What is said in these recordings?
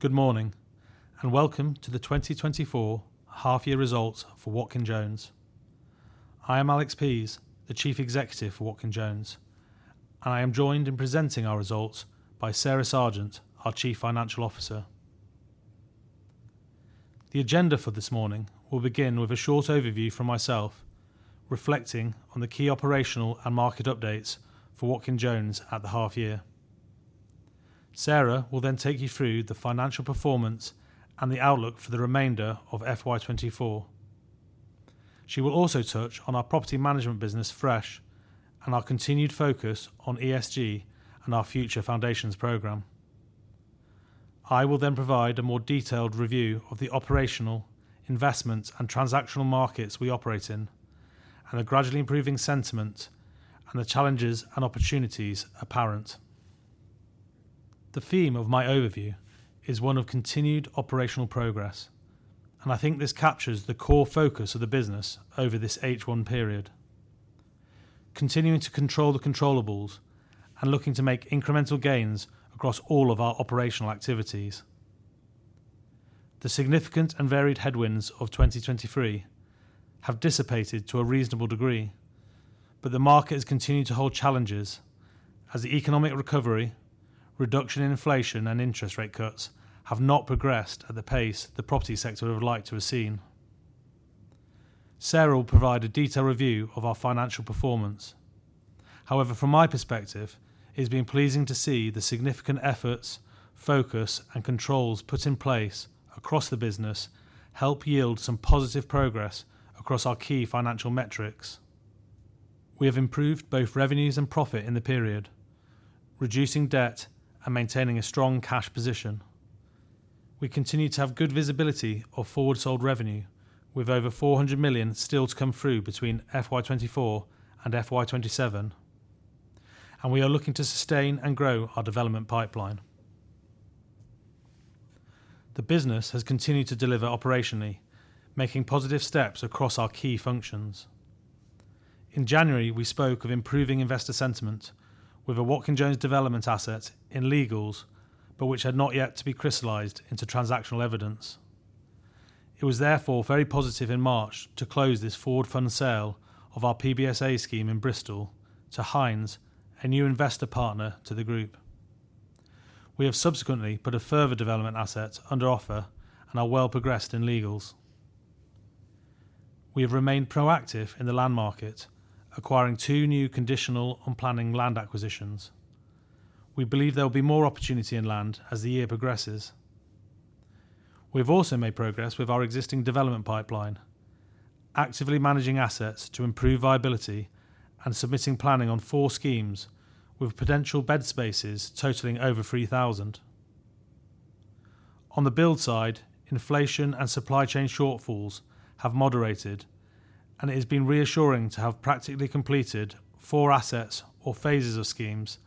Good morning, and welcome to the 2024 half-year results for Watkin Jones. I am Alex Pease, the Chief Executive for Watkin Jones. I am joined in presenting our results by Sarah Sergeant, our Chief Financial Officer. The agenda for this morning will begin with a short overview from myself, reflecting on the key operational and market updates for Watkin Jones at the half year. Sarah will then take you through the financial performance and the outlook for the remainder of FY 2024. She will also touch on our property management business, Fresh, and our continued focus on ESG and our Future Foundations programme. I will then provide a more detailed review of the operational, investment, and transactional markets we operate in, and a gradually improving sentiment and the challenges and opportunities apparent. The theme of my overview is one of continued operational progress, and I think this captures the core focus of the business over this H1 period. Continuing to control the controllables and looking to make incremental gains across all of our operational activities. The significant and varied headwinds of 2023 have dissipated to a reasonable degree, but the market has continued to hold challenges as the economic recovery, reduction in inflation, and interest rate cuts have not progressed at the pace the property sector would have liked to have seen. Sarah will provide a detailed review of our financial performance. However, from my perspective, it has been pleasing to see the significant efforts, focus, and controls put in place across the business help yield some positive progress across our key financial metrics. We have improved both revenues and profit in the period, reducing debt and maintaining a strong cash position. We continue to have good visibility of forward sold revenue, with over 400 million still to come through between FY 2024 and FY 2027, and we are looking to sustain and grow our development pipeline. The business has continued to deliver operationally, making positive steps across our key functions. In January, we spoke of improving investor sentiment with a Watkin Jones development asset in legals, but which had not yet to be crystallized into transactional evidence. It was, therefore, very positive in March to close this forward fund sale of our PBSA scheme in Bristol to Hines, a new investor partner to the group. We have subsequently put a further development asset under offer and are well progressed in legals. We have remained proactive in the land market, acquiring two new conditional on planning land acquisitions. We believe there will be more opportunity in land as the year progresses. We have also made progress with our existing development pipeline, actively managing assets to improve viability and submitting planning on four schemes with potential bed spaces totaling over 3,000. On the build side, inflation and supply chain shortfalls have moderated, and it has been reassuring to have practically completed four assets or phases of schemes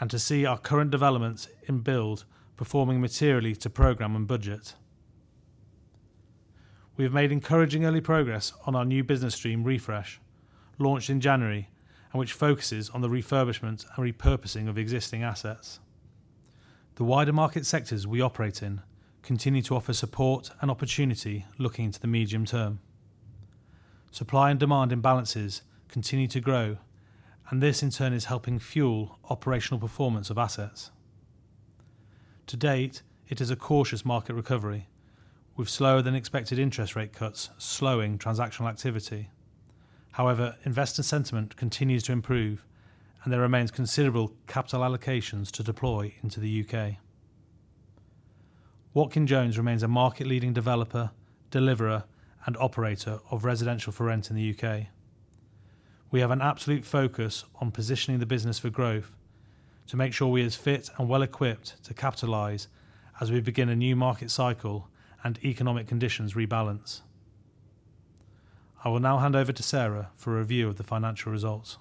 and to see our current developments in build performing materially to programme and budget. We have made encouraging early progress on our new business stream, Refresh, launched in January, and which focuses on the refurbishment and repurposing of existing assets. The wider market sectors we operate in continue to offer support and opportunity looking into the medium term. Supply and demand imbalances continue to grow, and this, in turn, is helping fuel operational performance of assets. To date, it is a cautious market recovery, with slower-than-expected interest rate cuts, slowing transactional activity. However, investor sentiment continues to improve, and there remains considerable capital allocations to deploy into the UK. Watkin Jones remains a market-leading developer, deliverer, and operator of residential for rent in the UK. We have an absolute focus on positioning the business for growth to make sure we are as fit and well-equipped to capitalize as we begin a new market cycle and economic conditions rebalance. I will now hand over to Sarah for a review of the financial results.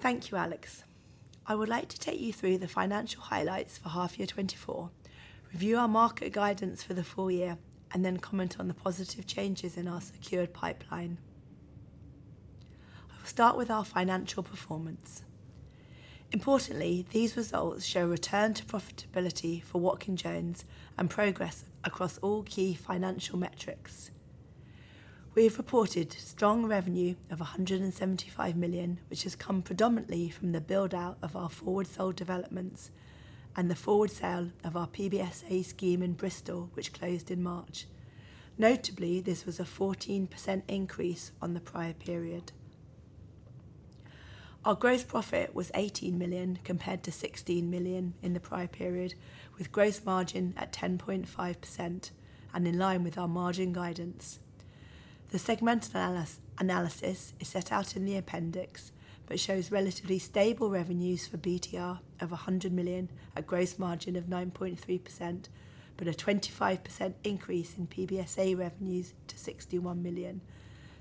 Thank you, Alex. I would like to take you through the financial highlights for half year 2024, review our market guidance for the full year, and then comment on the positive changes in our secured pipeline. I will start with our financial performance. Importantly, these results show a return to profitability for Watkin Jones and progress across all key financial metrics. We have reported strong revenue of 175 million, which has come predominantly from the build-out of our forward-sold developments and the forward sale of our PBSA scheme in Bristol, which closed in March. Notably, this was a 14% increase on the prior period. Our gross profit was 18 million, compared to 16 million in the prior period, with gross margin at 10.5% and in line with our margin guidance. The segmental analysis is set out in the appendix, but shows relatively stable revenues for BTR of 100 million, a gross margin of 9.3%, but a 25% increase in PBSA revenues to 61 million.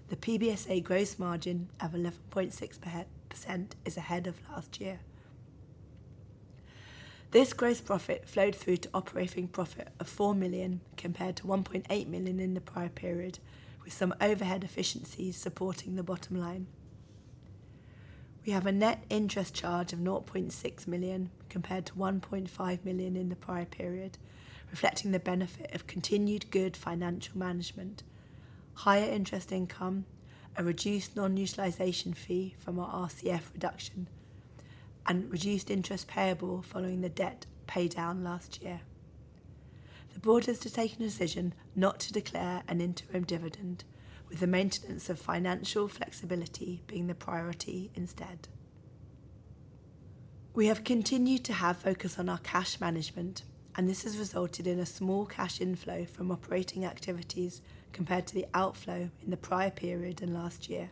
The PBSA gross margin of 11.6% is ahead of last year. This gross profit flowed through to operating profit of 4 million, compared to 1.8 million in the prior period, with some overhead efficiencies supporting the bottom line. We have a net interest charge of 0.6 million, compared to 1.5 million in the prior period, reflecting the benefit of continued good financial management, higher interest income, a reduced non-utilization fee from our RCF reduction, and reduced interest payable following the debt paydown last year. The board has to take a decision not to declare an interim dividend, with the maintenance of financial flexibility being the priority instead. We have continued to have focus on our cash management, and this has resulted in a small cash inflow from operating activities compared to the outflow in the prior period and last year.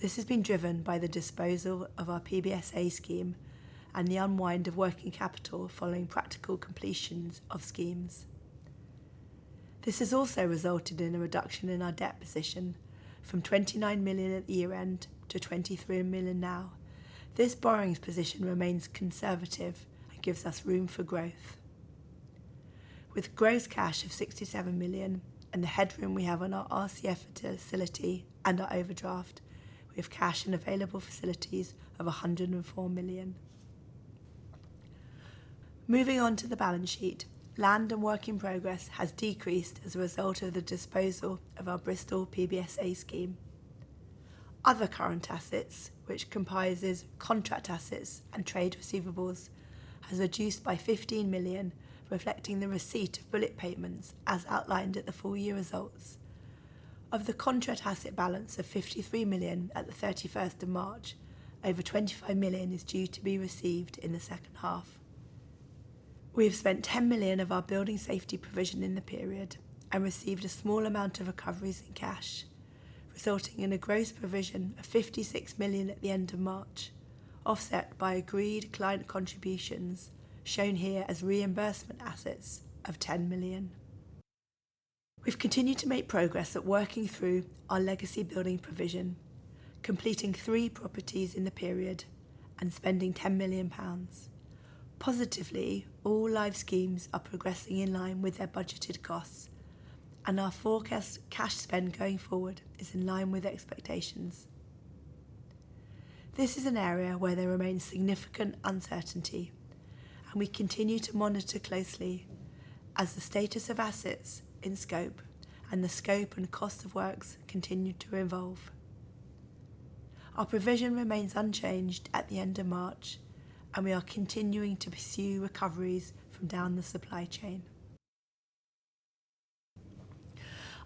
This has been driven by the disposal of our PBSA scheme and the unwind of working capital following practical completions of schemes. This has also resulted in a reduction in our debt position from 29 million at year-end to 23 million now. This borrowings position remains conservative and gives us room for growth. With gross cash of 67 million and the headroom we have on our RCF facility and our overdraft, we have cash and available facilities of 104 million. Moving on to the balance sheet, land and work in progress has decreased as a result of the disposal of our Bristol PBSA scheme. Other current assets, which comprises contract assets and trade receivables, has reduced by 15 million, reflecting the receipt of bullet payments as outlined at the full year results. Of the contract asset balance of 53 million at the 31st of March, over 25 million is due to be received in the second half. We have spent 10 million of our building safety provision in the period and received a small amount of recoveries in cash, resulting in a gross provision of 56 million at the end of March, offset by agreed client contributions, shown here as reimbursement assets of 10 million. We've continued to make progress at working through our legacy building provision, completing three properties in the period and spending 10 million pounds. Positively, all live schemes are progressing in line with their budgeted costs, and our forecast cash spend going forward is in line with expectations. This is an area where there remains significant uncertainty, and we continue to monitor closely as the status of assets in scope and the scope and cost of works continue to evolve. Our provision remains unchanged at the end of March, and we are continuing to pursue recoveries from down the supply chain.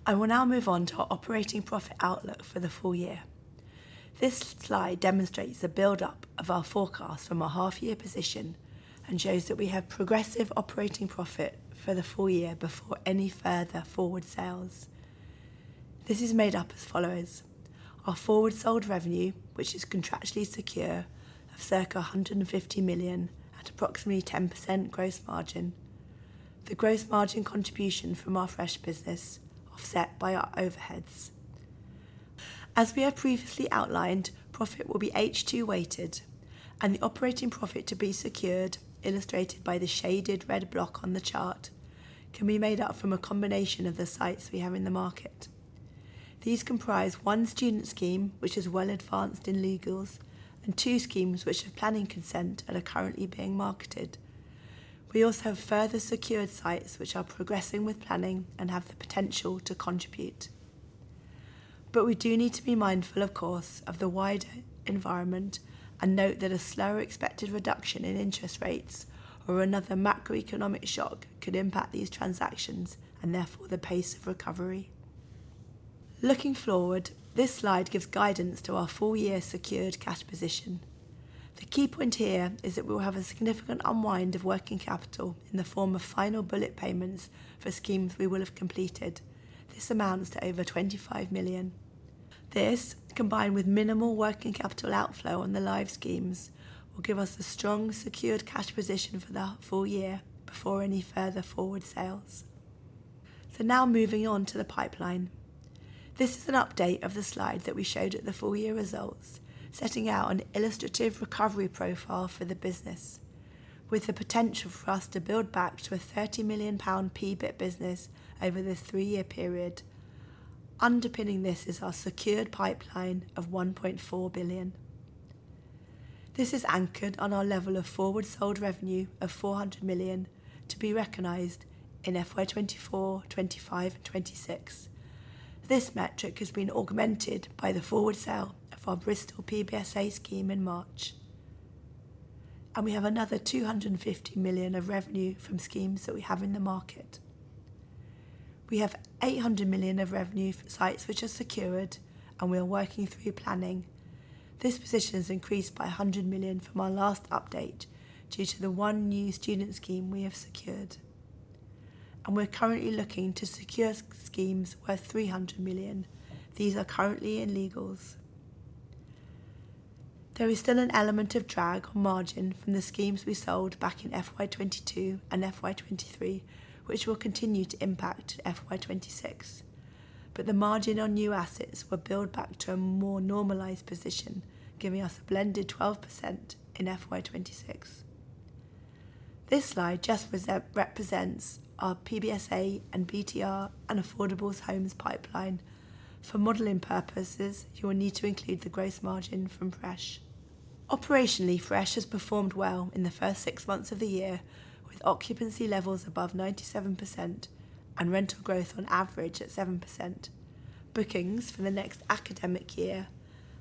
I will now move on to our operating profit outlook for the full year. This slide demonstrates the buildup of our forecast from a half year position and shows that we have progressive operating profit for the full year before any further forward sales. This is made up as follows: Our forward sold revenue, which is contractually secure, of circa 150 million at approximately 10% gross margin. The gross margin contribution from our Fresh business, offset by our overheads. As we have previously outlined, profit will be H2 weighted, and the operating profit to be secured, illustrated by the shaded red block on the chart, can be made up from a combination of the sites we have in the market. These comprise one student scheme, which is well advanced in legals, and two schemes which have planning consent and are currently being marketed. We also have further secured sites which are progressing with planning and have the potential to contribute. But we do need to be mindful, of course, of the wider environment and note that a slower expected reduction in interest rates or another macroeconomic shock could impact these transactions and therefore the pace of recovery. Looking forward, this slide gives guidance to our full year secured cash position. The key point here is that we will have a significant unwind of working capital in the form of final bullet payments for schemes we will have completed. This amounts to over 25 million. This, combined with minimal working capital outflow on the live schemes, will give us a strong, secured cash position for the full year before any further forward sales. So now moving on to the pipeline. This is an update of the slide that we showed at the full year results, setting out an illustrative recovery profile for the business, with the potential for us to build back to a 30 million pound PBIT business over the three-year period. Underpinning this is our secured pipeline of 1.4 billion. This is anchored on our level of forward sold revenue of 400 million to be recognized in FY 2024, 2025, and 2026. This metric has been augmented by the forward sale of our Bristol PBSA scheme in March, and we have another 250 million of revenue from schemes that we have in the market. We have 800 million of revenue for sites which are secured, and we are working through planning. This position has increased by 100 million from our last update due to the one new student scheme we have secured, and we're currently looking to secure schemes worth 300 million. These are currently in legals. There is still an element of drag on margin from the schemes we sold back in FY 2022 and FY 2023, which will continue to impact FY 2026, but the margin on new assets will build back to a more normalized position, giving us a blended 12% in FY 2026. This slide just represents our PBSA and BTR and affordable homes pipeline. For modeling purposes, you will need to include the gross margin from Fresh. Operationally, Fresh has performed well in the first six months of the year, with occupancy levels above 97% and rental growth on average at 7%. Bookings for the next academic year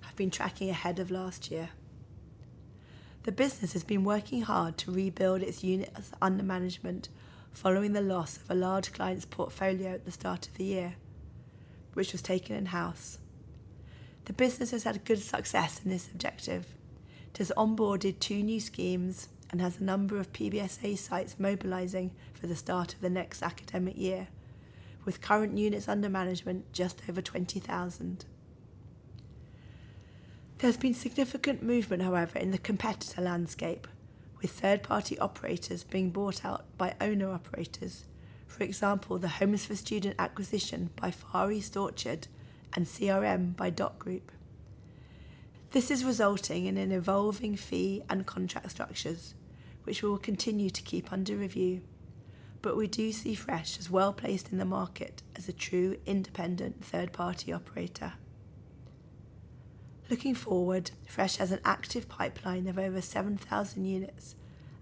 have been tracking ahead of last year. The business has been working hard to rebuild its units under management, following the loss of a large client's portfolio at the start of the year, which was taken in-house. The business has had good success in this objective. It has onboarded two new schemes and has a number of PBSA sites mobilizing for the start of the next academic year, with current units under management just over 20,000. There's been significant movement, however, in the competitor landscape, with third-party operators being bought out by owner-operators. For example, the Homes for Students acquisition by Far East Orchard and CRM Students by The Dot Group. This is resulting in an evolving fee and contract structures, which we will continue to keep under review, but we do see Fresh as well-placed in the market as a true independent third-party operator. Looking forward, Fresh has an active pipeline of over 7,000 units,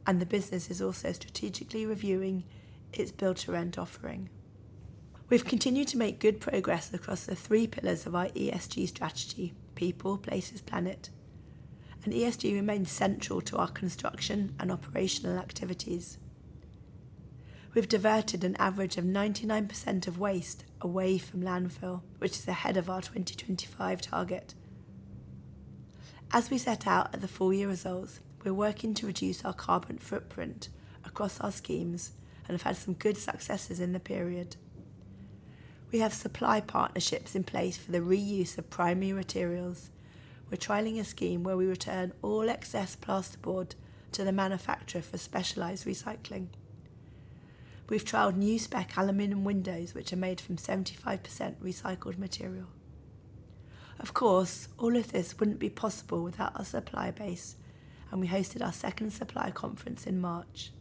and the business is also strategically reviewing its build-to-rent offering. We've continued to make good progress across the three pillars of our ESG strategy: people, places, planet, and ESG remains central to our construction and operational activities. We've diverted an average of 99% of waste away from landfill, which is ahead of our 2025 target. As we set out at the full year results, we're working to reduce our carbon footprint across our schemes and have had some good successes in the period. We have supply partnerships in place for the reuse of primary materials. We're trialing a scheme where we return all excess plasterboard to the manufacturer for specialized recycling. We've trialed new spec aluminium windows, which are made from 75% recycled material. Of course, all of this wouldn't be possible without our supplier base, and we hosted our second supplier conference in March,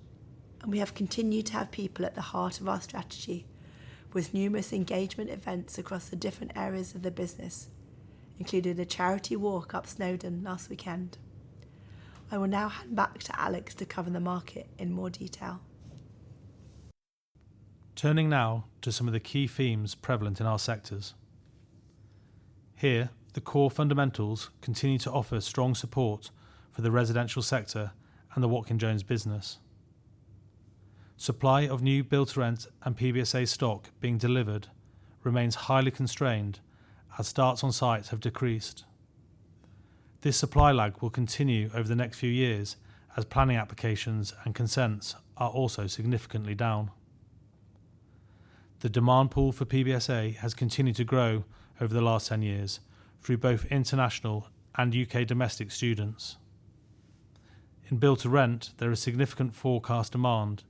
and we have continued to have people at the heart of our strategy, with numerous engagement events across the different areas of the business, including the charity walk up Snowdon last weekend. I will now hand back to Alex to cover the market in more detail. Turning now to some of the key themes prevalent in our sectors. Here, the core fundamentals continue to offer strong support for the residential sector and the Watkin Jones business. Supply of new build-to-rent and PBSA stock being delivered remains highly constrained, as starts on sites have decreased. This supply lag will continue over the next few years as planning applications and consents are also significantly down. The demand pool for PBSA has continued to grow over the last 10 years through both international and U.K. domestic students. In build to rent, there is significant forecast demand,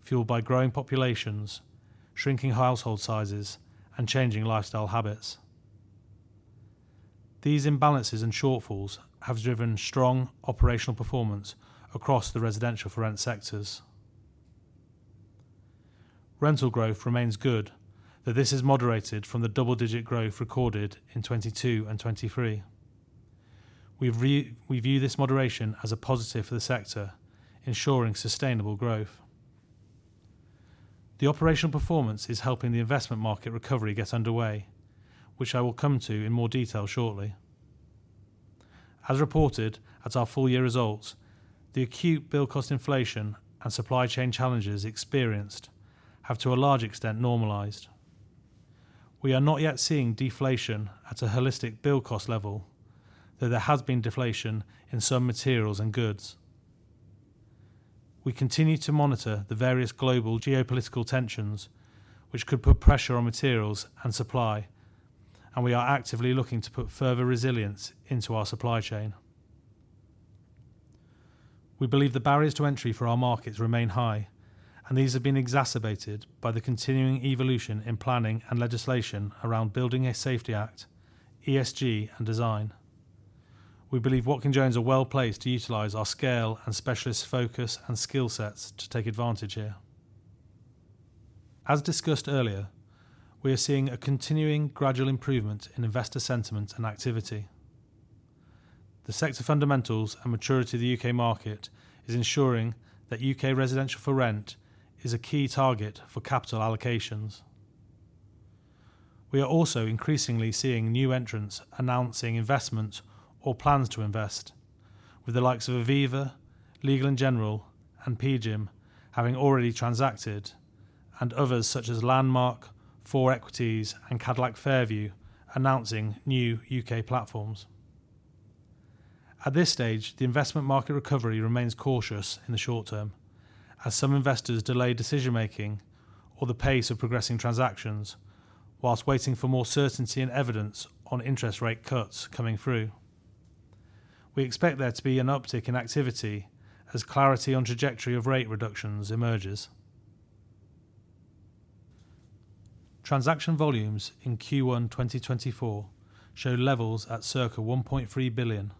fueled by growing populations, shrinking household sizes, and changing lifestyle habits. These imbalances and shortfalls have driven strong operational performance across the residential for rent sectors. Rental growth remains good, though this is moderated from the double-digit growth recorded in 2022 and 2023. We view this moderation as a positive for the sector, ensuring sustainable growth. The operational performance is helping the investment market recovery get underway, which I will come to in more detail shortly. As reported at our full-year results, the acute build cost inflation and supply chain challenges experienced have, to a large extent, normalized. We are not yet seeing deflation at a holistic build cost level, though there has been deflation in some materials and goods. We continue to monitor the various global geopolitical tensions, which could put pressure on materials and supply, and we are actively looking to put further resilience into our supply chain. We believe the barriers to entry for our markets remain high, and these have been exacerbated by the continuing evolution in planning and legislation around Building Safety Act, ESG, and design. We believe Watkin Jones are well-placed to utilize our scale and specialist focus and skill sets to take advantage here. As discussed earlier, we are seeing a continuing gradual improvement in investor sentiment and activity. The sector fundamentals and maturity of the U.K. market is ensuring that U.K. residential for rent is a key target for capital allocations. We are also increasingly seeing new entrants announcing investment or plans to invest, with the likes of Aviva, Legal & General, and PGIM having already transacted, and others such as Landmark, Thor Equities, and Cadillac Fairview announcing new U.K. platforms. At this stage, the investment market recovery remains cautious in the short term, as some investors delay decision-making or the pace of progressing transactions while waiting for more certainty and evidence on interest rate cuts coming through. We expect there to be an uptick in activity as clarity on trajectory of rate reductions emerges. Transaction volumes in Q1 2024 show levels at circa 1.3 billion,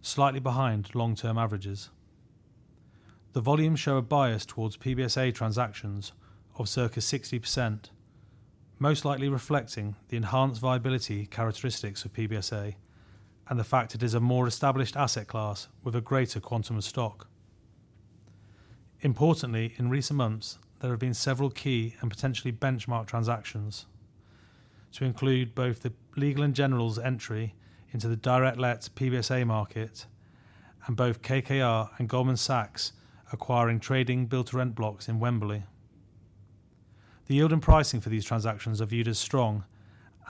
slightly behind long-term averages. The volumes show a bias towards PBSA transactions of circa 60%, most likely reflecting the enhanced viability characteristics of PBSA and the fact it is a more established asset class with a greater quantum of stock. Importantly, in recent months, there have been several key and potentially benchmark transactions to include both the Legal & General's entry into the direct lets PBSA market and both KKR and Goldman Sachs acquiring trading build-to-rent blocks in Wembley. The yield and pricing for these transactions are viewed as strong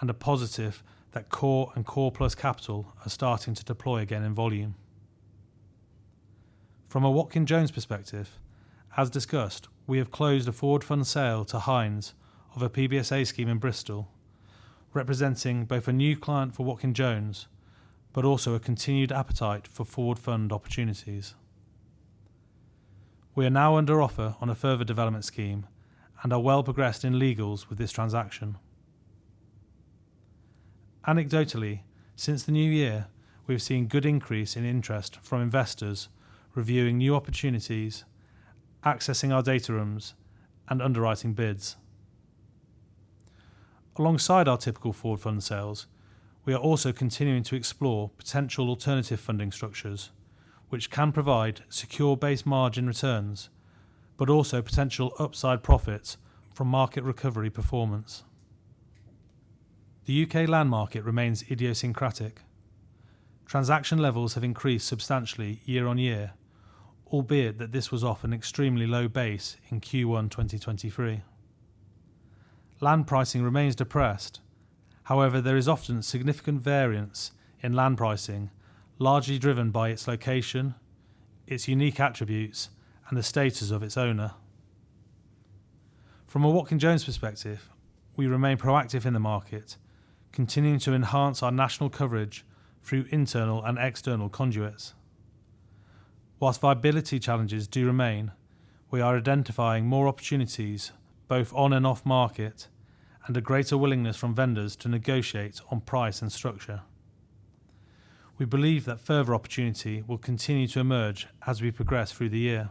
and a positive that core and core plus capital are starting to deploy again in volume. From a Watkin Jones perspective, as discussed, we have closed a forward fund sale to Hines of a PBSA scheme in Bristol, representing both a new client for Watkin Jones, but also a continued appetite for forward fund opportunities. We are now under offer on a further development scheme and are well progressed in legals with this transaction. Anecdotally, since the new year, we have seen good increase in interest from investors reviewing new opportunities, accessing our data rooms, and underwriting bids. Alongside our typical forward fund sales, we are also continuing to explore potential alternative funding structures, which can provide secure base margin returns, but also potential upside profits from market recovery performance. The U.K. land market remains idiosyncratic. Transaction levels have increased substantially year-on-year, albeit that this was off an extremely low base in Q1 2023. Land pricing remains depressed. However, there is often significant variance in land pricing, largely driven by its location, its unique attributes, and the status of its owner. From a Watkin Jones perspective, we remain proactive in the market, continuing to enhance our national coverage through internal and external conduits. Whilst viability challenges do remain, we are identifying more opportunities, both on and off-market, and a greater willingness from vendors to negotiate on price and structure. We believe that further opportunity will continue to emerge as we progress through the year.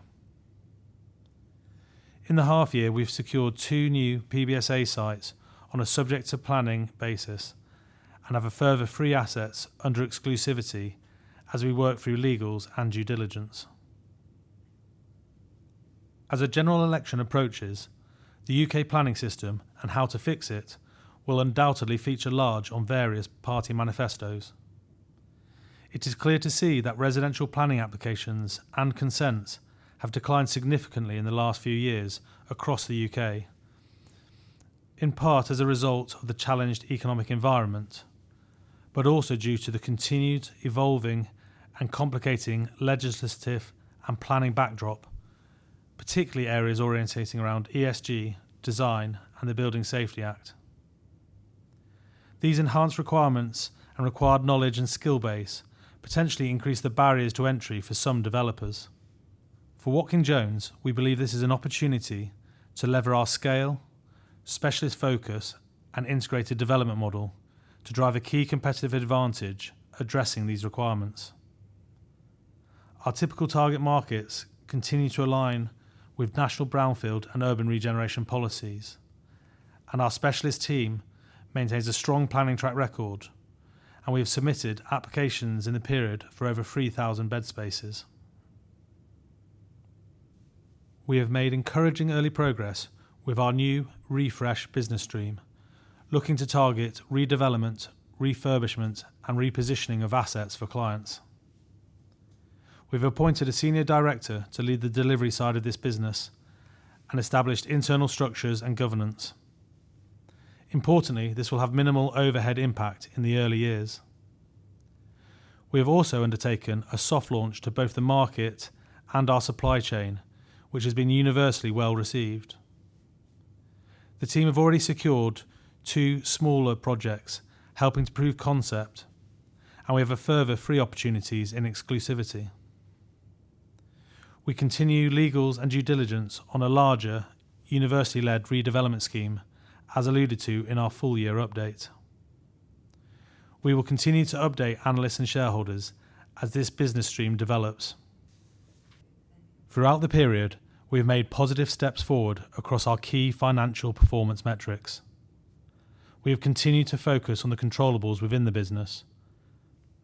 In the half year, we've secured two new PBSA sites on a subject to planning basis and have a further three assets under exclusivity as we work through legals and due diligence. As a general election approaches, the UK planning system and how to fix it will undoubtedly feature large on various party manifestos. It is clear to see that residential planning applications and consents have declined significantly in the last few years across the UK, in part as a result of the challenging economic environment, but also due to the continued evolving and complicating legislative and planning backdrop, particularly areas orienting around ESG, design, and the Building Safety Act. These enhanced requirements and required knowledge and skill base potentially increase the barriers to entry for some developers. For Watkin Jones, we believe this is an opportunity to lever our scale, specialist focus, and integrated development model to drive a key competitive advantage addressing these requirements. Our typical target markets continue to align with national brownfield and urban regeneration policies, and our specialist team maintains a strong planning track record, and we have submitted applications in the period for over 3,000 bed spaces. We have made encouraging early progress with our new Refresh business stream, looking to target redevelopment, refurbishment, and repositioning of assets for clients. We've appointed a senior director to lead the delivery side of this business and established internal structures and governance. Importantly, this will have minimal overhead impact in the early years. We have also undertaken a soft launch to both the market and our supply chain, which has been universally well-received. The team have already secured two smaller projects, helping to prove concept, and we have a further three opportunities in exclusivity. We continue legals and due diligence on a larger, university-led redevelopment scheme, as alluded to in our full year update. We will continue to update analysts and shareholders as this business stream develops. Throughout the period, we have made positive steps forward across our key financial performance metrics. We have continued to focus on the controllables within the business,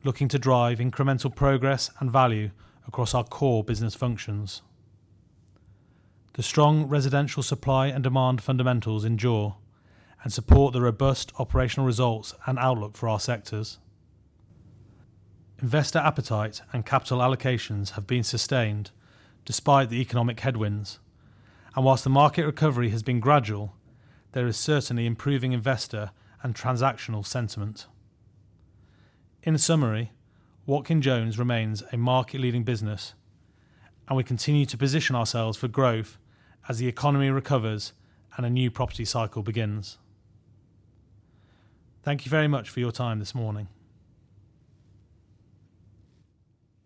looking to drive incremental progress and value across our core business functions. The strong residential supply and demand fundamentals endure and support the robust operational results and outlook for our sectors. Investor appetite and capital allocations have been sustained despite the economic headwinds, and while the market recovery has been gradual, there is certainly improving investor and transactional sentiment. In summary, Watkin Jones remains a market-leading business, and we continue to position ourselves for growth as the economy recovers and a new property cycle begins. Thank you very much for your time this morning.